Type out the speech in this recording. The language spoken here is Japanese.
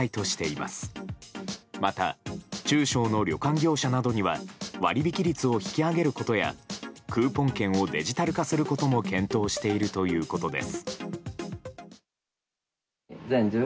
また、中小の旅館業者などには割引率を引き上げることやクーポン券をデジタル化することも検討しているということです。